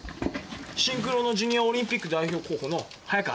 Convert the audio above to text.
シンクロのジュニアオリンピック代表候補の早川あつみさん。